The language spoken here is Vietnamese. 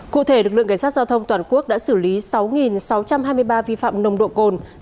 cụ thể đcgtq đã xử lý sáu sáu trăm hai mươi ba vi phạm nồng độ cồn